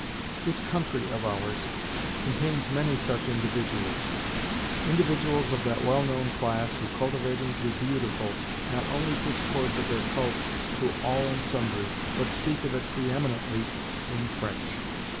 This country of ours contains many such individuals individuals of that well known class who, cultivating "the beautiful," not only discourse of their cult to all and sundry, but speak of it pre eminently in FRENCH.